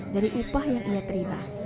dari upah yang ia terima